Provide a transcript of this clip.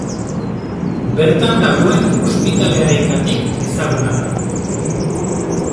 Bertan dagoen ospitalearengatik ezaguna da.